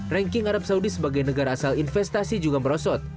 ranking arab saudi sebagai negara asal investasi juga merosot